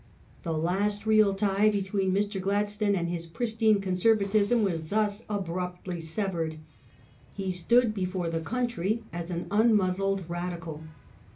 The last real tie between Mr. Gladstone and his pristine Conservatism was thus abruptly severed ; i he stood before the country an " unmuzzled " Radical.